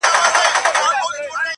لا زر کلونه زرغونیږي ونه!!